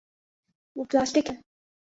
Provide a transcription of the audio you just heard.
وہ پلاسٹک ہے۔